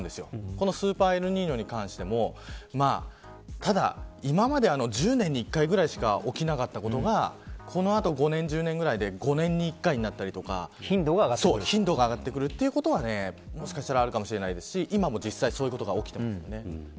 このスーパーエルニーニョに関してもただ、今までは１０年に１回ぐらいしか起きなかったことがこのあと５年１０年ぐらいで５年１回になったりとか頻度が上がってくるということはもしかしたらあるかもしれないですし今も実際そういうことが起きてますね。